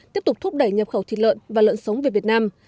tiếp tục thúc đẩy nhập khẩu thịt lợn và lợn sống về việt nam